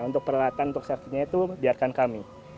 untuk peralatan untuk sertifikatnya itu biarkan kami